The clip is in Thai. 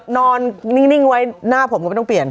นอนนิ่งไว้หน้าผมก็ไม่ต้องเปลี่ยน